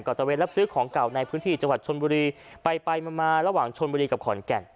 ตะเวนรับซื้อของเก่าในพื้นที่จังหวัดชนบุรีไปไปมามาระหว่างชนบุรีกับขอนแก่น